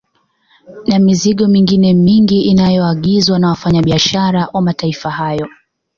Na mizigo mingine mingi inayoagizwa na wafanya biashara wa mataifa hayo